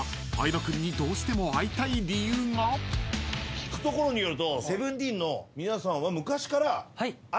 聞くところによると。